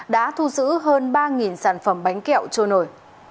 đã thu giữ hơn ba sản phẩm bánh kẹo trôi nổi